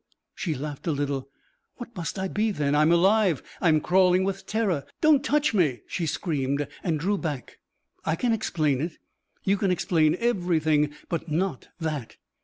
She laughed a little. "What must I be, then? I'm alive, I'm crawling with terror. Don't touch me!" She screamed and drew back. "I can explain it." "You can explain everything! But not that."